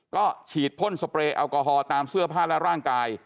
ก็ฉีดพ่นสเปรย์แอลกอฮอล์ตามเสื้อผ้าและร่างกาย